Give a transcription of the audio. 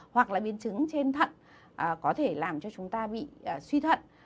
hoặc là biến chứng trên thận có thể làm cho chúng ta bị suy thận